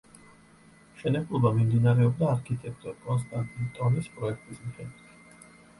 მშენებლობა მიმდინარეობდა არქიტექტორ კონსტანტინ ტონის პროექტის მიხედვით.